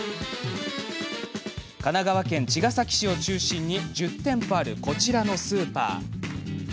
神奈川県茅ヶ崎市を中心に１０店舗ある、こちらのスーパー。